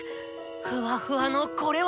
ふわふわのこれは。